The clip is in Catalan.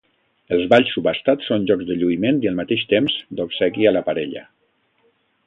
Els balls subhastats són jocs de lluïment i al mateix temps d'obsequi a la parella.